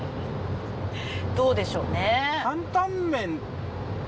どうでしょうね？